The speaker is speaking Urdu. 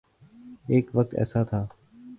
ایک وقت ایسا تھا۔